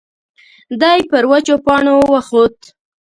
دی پر وچو پاڼو وخوت.